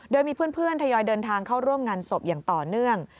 โดยมีเพื่อนทยอยเดินทางเข้าร่วมงานศพอย่างต่อเนื่อง